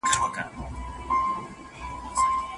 که سواد وي نو سواد پوره دی.